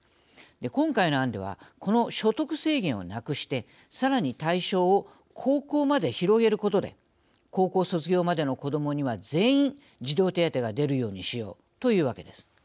今回の案ではこの所得制限をなくしてさらに対象を高校まで広げることで高校卒業までの子どもには全員児童手当が出るようにしようというわけです。